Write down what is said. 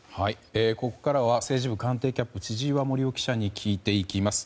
ここからは政治部官邸キャップ千々岩森生記者に聞いていきます。